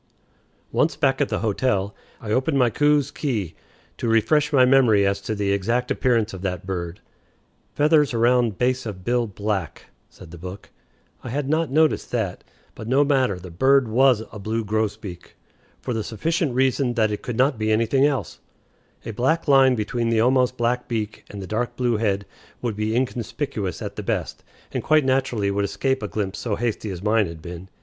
Once back at the hotel, I opened my Coues's Key to refresh my memory as to the exact appearance of that bird. "Feathers around base of bill black," said the book. I had not noticed that. But no matter; the bird was a blue grosbeak, for the sufficient reason that it could not be anything else. A black line between the almost black beak and the dark blue head would be inconspicuous at the best, and quite naturally would escape a glimpse so hasty as mine had been.